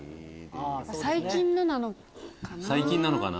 最近のなのかな？